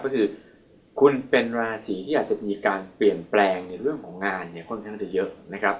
ก็คือคุณเป็นราศีที่อาจจะมีการเปลี่ยนแปลงในเรื่องของงานเนี่ยค่อนข้างจะเยอะนะครับ